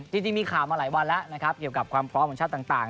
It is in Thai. จริงมีข่าวมาหลายวันแล้วนะครับเกี่ยวกับความพร้อมของชาติต่าง